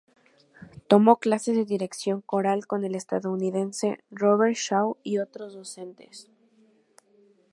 Tomó clases de dirección coral con el estadounidense Robert Shaw y otros docentes.